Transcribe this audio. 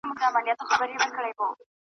د امریکا د شکونو تر سیوري لاندې پاتې شوی دی